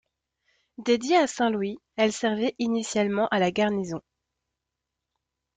Dédiée à Saint-Louis elle servait initialement à la garnison.